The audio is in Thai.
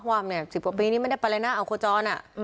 ว่า๑๕ปีนี้ไม่ได้ประเร็นาออกขัวจ้อน